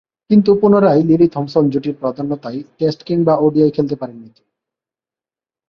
কিন্তু পুনরায় লিলি-থমসন জুটির প্রাধান্যতায় টেস্ট কিংবা ওডিআই খেলতে পারেননি তিনি।